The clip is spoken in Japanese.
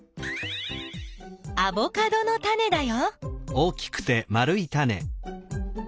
アボカドのタネだよ。